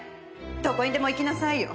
どこにでも行きなさいよ。